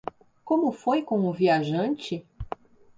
Como foi com o viajante?